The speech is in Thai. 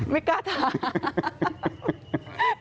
ไม่กล้าถาม